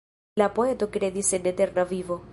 La poeto kredis en eterna vivo.